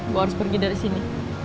gue harus pergi dari sini